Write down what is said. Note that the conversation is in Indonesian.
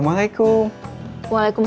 yo kamu seperti apa